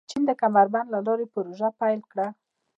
چین د کمربند او لارې پروژه پیل کړه.